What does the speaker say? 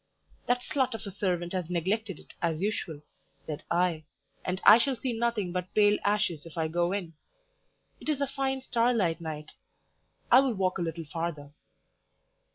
"That slut of a servant has neglected it as usual," said I, "and I shall see nothing but pale ashes if I go in; it is a fine starlight night I will walk a little farther."